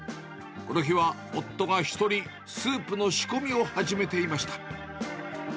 この日は夫が一人、スープの仕込みを始めていました。